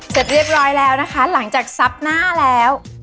เสร็จเรียบร้อยแล้วนะคะหลังจากซับหน้าแล้ว